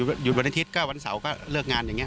หยุดวันอาทิตย์ก็วันเสาร์ก็เลิกงานอย่างนี้